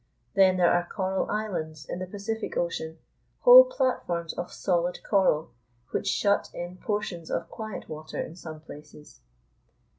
Then there are coral islands in the Pacific Ocean, whole platforms of solid coral which shut in portions of quiet water in some places.